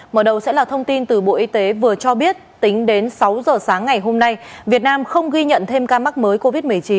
mở đầu sẽ là thông tin từ bộ y tế vừa cho biết tính đến sáu giờ sáng ngày hôm nay việt nam không ghi nhận thêm ca mắc mới covid một mươi chín